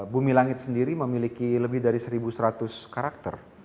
bumi langit sendiri memiliki lebih dari satu seratus karakter